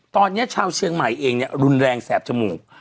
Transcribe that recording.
ตอนนี้ชาวเชียงใหม่เองเนี่ยรุนแรงแสบจมูก